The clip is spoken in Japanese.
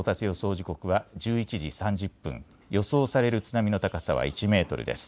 時刻は１１時３０分、予想される津波の高さは１メートルです。